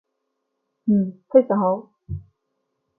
嗯，非常好